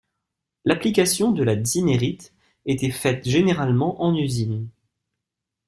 L'application de la Zimmerit était faite généralement en usine.